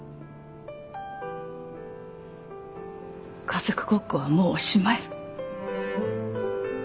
家族ごっこはもうおしまい。